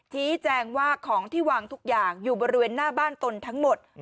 ชี้แจงว่าของที่วางทุกอย่างอยู่บริเวณหน้าบ้านตนทั้งหมด